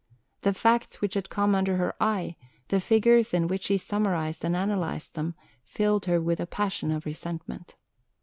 The facts which had come under her eye, the figures in which she summarized and analysed them, filled her with a passion of resentment.